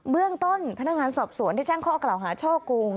เรื่องต้นพนักงานสอบสวนได้แจ้งข้อกล่าวหาช่อกง